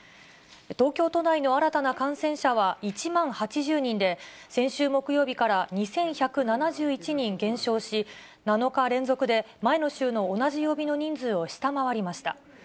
東京都内の新たな感染者は１万８０人で、先週木曜日から２１７１人減少し、７日連続で前の週の同じ曜日の人数を下回りました。